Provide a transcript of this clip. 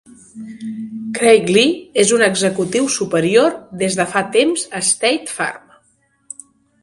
Craig Lee és un executiu superior des de fa temps a State Farm.